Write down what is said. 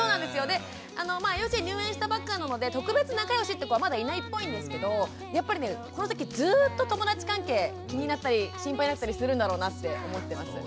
で幼稚園入園したばっかなので特別仲よしって子はまだいないっぽいんですけどやっぱりねこの先ずっと友だち関係気になったり心配になったりするんだろうなって思ってます。